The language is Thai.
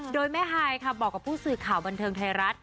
โดยแม่ฮายค่ะบอกกับผู้สื่อข่าวบันเทิงไทยรัฐ